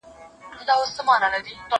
بس يوازي خوښي خپلي يې كيسې وې